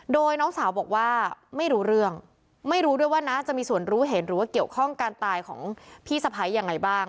โดยน้องสาวบอกว่าไม่รู้เรื่องไม่รู้ด้วยว่าน้าจะมีส่วนรู้เห็นหรือว่าเกี่ยวข้องการตายของพี่สะพ้ายยังไงบ้าง